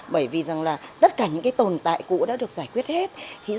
bởi vì rằng là tất cả những tồn tại cũ đã được giải quyết hết